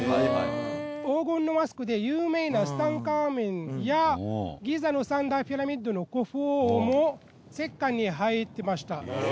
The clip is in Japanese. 黄金のマスクで有名なツタンカーメンやギザの３大ピラミッドのクフ王も石棺に入ってました。